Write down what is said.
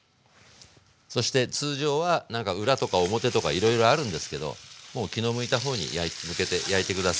そして通常はなんか裏とか表とかいろいろあるんですけどもう気の向いた方に向けて焼いて下さい。